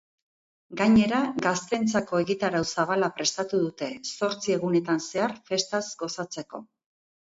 Gainera, gazteentzako egitarau zabala prestatu dute, zortzi egunetan zehar festaz gozatzeko.